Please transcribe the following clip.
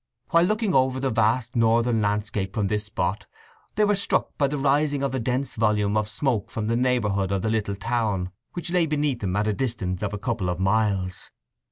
While looking over the vast northern landscape from this spot they were struck by the rising of a dense volume of smoke from the neighbourhood of the little town which lay beneath them at a distance of a couple of miles.